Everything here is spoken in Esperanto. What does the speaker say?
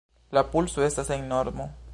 La pulso estas en normo.